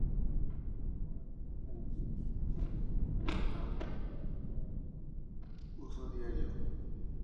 Una vez aprendida resulta una herramienta bastante sencilla en su uso diario